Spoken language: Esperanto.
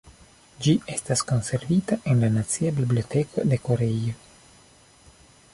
Ĝi estas konservita en la nacia biblioteko de Koreio.